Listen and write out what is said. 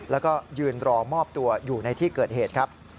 แล้วก็ยืนรอมอบตัวอยู่ในที่เกิดเหตุครับ